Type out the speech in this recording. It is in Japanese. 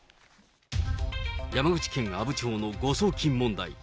山口県阿武町の誤送金問題。